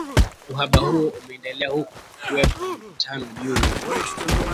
uhaba huo umeendelea huku kukiwepo mivutano juu